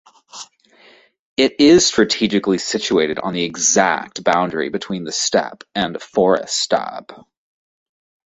It is strategically situated on the exact boundary between the steppe and forest-steppe.